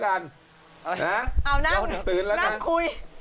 นั่งคุย